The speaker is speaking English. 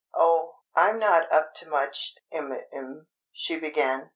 "Oh, I'm not up to much, m'm," she began.